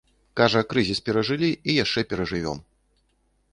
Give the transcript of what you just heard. Кажа, крызіс перажылі і яшчэ перажывём.